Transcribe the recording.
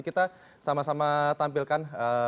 kita sama sama tampilkan